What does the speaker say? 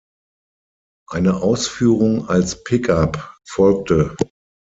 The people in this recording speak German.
Eine Ausführung als Pick-up folgte.